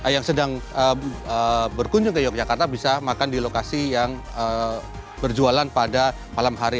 yang sedang berkunjung ke yogyakarta bisa makan di lokasi yang berjualan pada malam hari